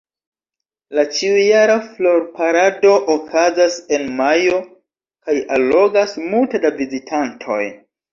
La ĉiujara Flor-parado okazas en majo kaj allogas multe da vizitantoj.